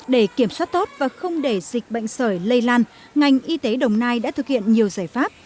để kiểm soát tốt và không để dịch bệnh sởi lây lan ngành y tế đồng nai đã thực hiện nhiều giải pháp